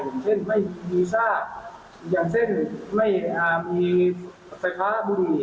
อย่างเช่นไม่มีวีซ่าอย่างเช่นไม่มีไฟฟ้าบุหรี่